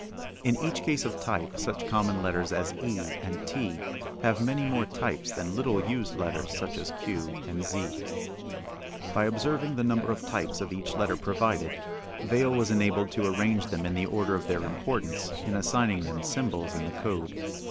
In each case of type such common letters as e and t have many more types than little used letters such as q and z. By observing the number of types of each letter provided, Vail was enabled to arrange them in the order of their importance in assigning them symbols in the code.